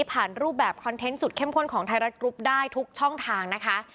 รูปแบบคอนเทนต์สุดเข้มข้นของไทยรัฐกรุ๊ปได้ทุกช่องทางนะคะ